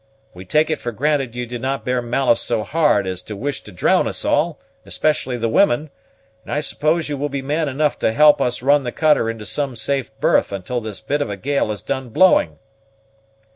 We take it for granted you do not bear malice so hard as to wish to drown us all, especially the women; and I suppose you will be man enough to help us run the cutter into some safe berth until this bit of a gale has done blowing!"